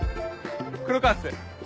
黒川っす。